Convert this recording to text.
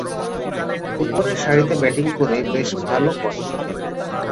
উপরের সারিতে ব্যাটিং করে বেশ ভালো করেন।